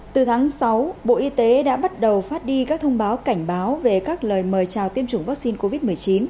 từ tháng sáu bộ y tế đã bắt đầu phát đi các thông báo cảnh báo về các lời mời chào tiêm chủng vaccine covid một mươi chín